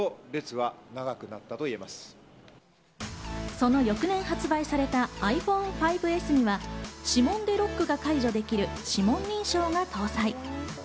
その翌年発売されたｉＰｈｏｎｅ５Ｓには、指紋でロックが解除できる指紋認証が搭載。